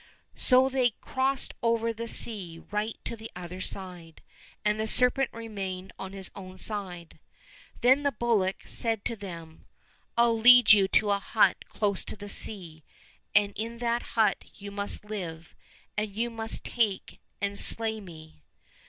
So they crossed over that sea right to the other side, and the serpent remained on his own side. Then the bullock said to them, " I'll lead you to a hut close to the sea, and in that hut you must live, and you must take and slay me."